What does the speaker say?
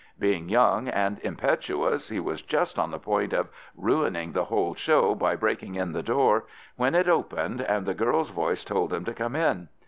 Being young and impetuous, he was just on the point of ruining the whole show by breaking in the door, when it opened and the girl's voice told him to come in.